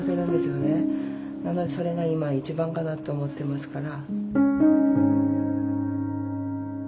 なのでそれが今は一番かなって思ってますから。